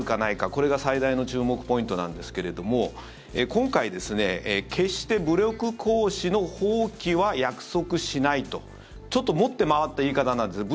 これが最大の注目ポイントなんですが今回、決して武力行使の放棄は約束しないとちょっと持って回った言い方なんですね。